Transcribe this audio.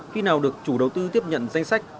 khi nào được chủ đầu tư tiếp nhận danh sách